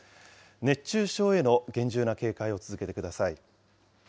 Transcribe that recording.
熱中症への厳重な警戒を続けてください。